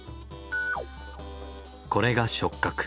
これが触覚。